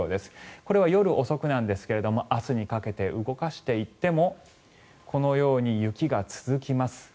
これは夜遅くなんですが明日にかけて動かしていってもこのように雪が続きます。